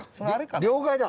両替だ。